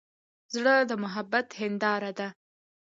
زړه د محبت هنداره ده.